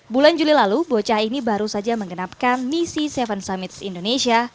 bulan juli lalu bocah ini baru saja mengenapkan misi tujuh summits indonesia